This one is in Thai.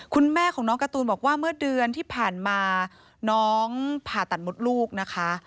คุณแม่ของน้องการ์ตูนบอกว่าเมื่อเดือนที่ผ่านมาน้องผ่าตัดมดลูกนะคะ